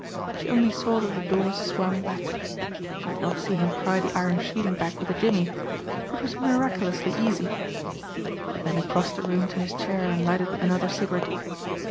She only saw that the doors swung back. She did not see him pry the iron sheathing back with the jimmy. It was miraculously easy. Then he crossed the room to his chair and lighted another cigarette.